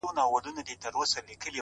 د لرې ښار رڼاګانې د خیال فاصله لنډوي